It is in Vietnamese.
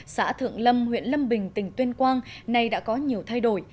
xã thượng lâm huyện lâm bình tỉnh tuyên quang này đã có nhiều thay đổi